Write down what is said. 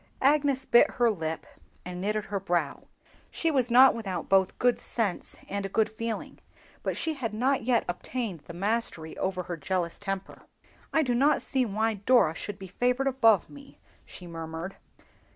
Agnes bit her lip and knitted her brow. She was not without both good sense and good feeling, but she had not yet obtained the mastery over her jealous temper. "I do not see why Dora should be favored above me," she murmured.